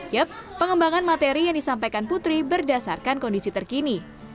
yap pengembangan materi yang disampaikan putri berdasarkan kondisi terkini